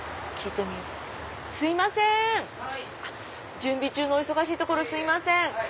準備中のお忙しいところすいません。